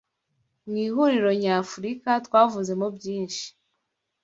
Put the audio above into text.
mu ihuriro nyafurika twavuzemo byinshyi